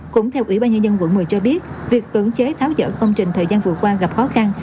cũng theo ủy ban nhân dân quận một mươi cho biết việc cưỡng chế tháo dỡ công trình thời gian vừa qua gặp khó khăn